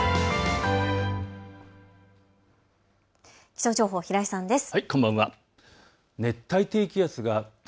気象情報、平井さんです。